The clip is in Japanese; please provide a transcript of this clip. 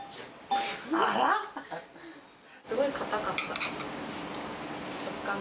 すごい硬かった。